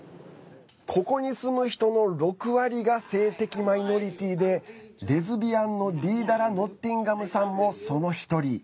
ここに住む人の６割が性的マイノリティーでレズビアンのディーダラ・ノッティンガムさんも、その１人。